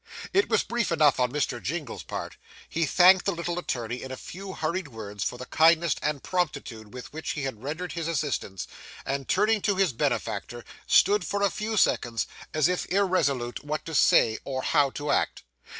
It was brief enough on Mr. Jingle's part. He thanked the little attorney in a few hurried words for the kindness and promptitude with which he had rendered his assistance, and, turning to his benefactor, stood for a few seconds as if irresolute what to say or how to act.